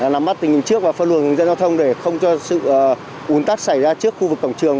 nắm mắt tình hình trước và phân luồng dẫn giao thông để không cho sự uốn tắt xảy ra trước khu vực cổng trường